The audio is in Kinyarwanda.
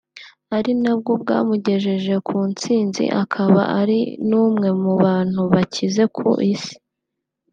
ari na bwo bwamugejeje ku ntsinzi akaba ari n'umwe mu bantu bakize ku isi